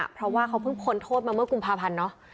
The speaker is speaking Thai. เพราะว่าเขาเพิ่งพ้นโทษมาเมื่อกุมภาพันธ์เนาะ